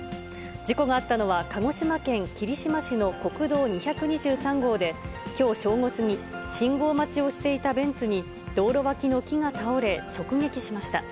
事故があったのは、鹿児島県霧島市の国道２２３号で、きょう正午過ぎ、信号待ちをしていたベンツに、道路脇の木が倒れ、直撃しました。